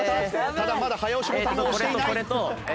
ただまだ早押しボタンは押していない。